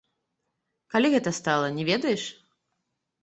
Калі гэта стала, не ведаеш?